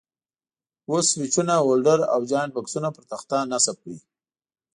اوس سویچونه، هولډر او جاینټ بکسونه پر تخته نصب کړئ.